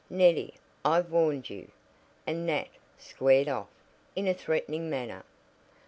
"Neddie, I've warned you " and Nat "squared off" in a threatening manner.